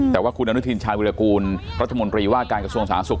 แต่ว่าคุณอนุทินชายวิรากูลรัฐมนตรีว่าการกระทรวงสาธารณสุข